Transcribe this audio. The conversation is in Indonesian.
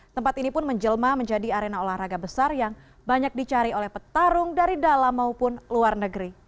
tempat ini pun menjelma menjadi arena olahraga besar yang banyak dicari oleh petarung dari dalam maupun luar negeri